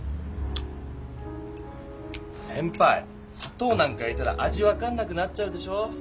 せんぱいさとうなんか入れたら味分かんなくなっちゃうでしょ！